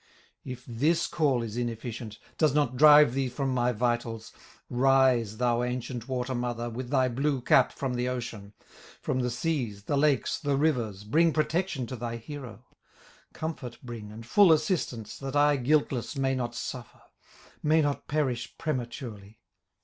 "If this call is inefficient, Does not drive thee from my vitals, Rise, thou ancient water mother, With thy blue cap from the ocean, From the seas, the lakes, the rivers, Bring protection to thy hero, Comfort bring and full assistance, That I guiltless may not suffer, May not perish prematurely.